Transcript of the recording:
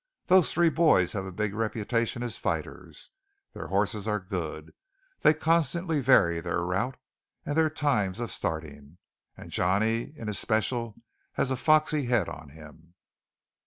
Those three boys have a big reputation as fighters; their horses are good; they constantly vary their route and their times of starting; and Johnny in especial has a foxy head on him."